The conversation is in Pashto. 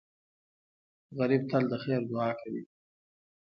غریب تل د خیر دعا کوي